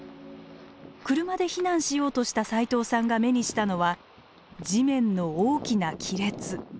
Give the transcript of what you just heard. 車で避難しようとした齋藤さんが目にしたのは地面の大きな亀裂。